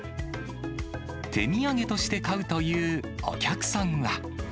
手土産として買うというお客さんは。